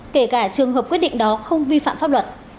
kể cả trường hợp quyết định đó không vi phạm pháp luật